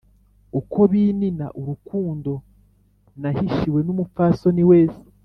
uko binina urukundo nahishiwe n` umupfasoni wese